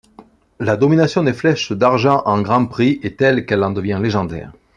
La domination des Flèches d'Argent en Grand Prix est telle qu'elle en devient légendaire.